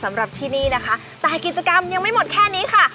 สำหรับที่นี่นะคะแต่กิจกรรมยังไม่หมดแค่นี้ค่ะ